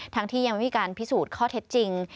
ที่ยังไม่มีการพิสูจน์ข้อเท็จจริง